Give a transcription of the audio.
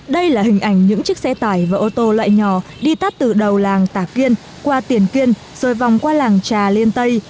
đây là hình ảnh những chiếc xe tải và ô tô loại nhỏ đi tắt từ đầu làng tả kiên qua tiền kiên rồi vòng qua làng trà liên tây